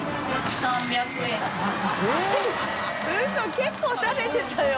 結構食べてたよ？